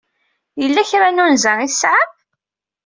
Yella kra n unza ay tesɛam?